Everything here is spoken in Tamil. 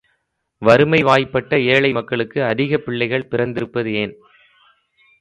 வறுமை வாய்ப்பட்ட ஏழை மக்களுக்கு அதிகப் பிள்ளைகள் பிறந்திருப்பதேன்?